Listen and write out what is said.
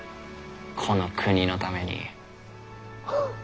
この国のために。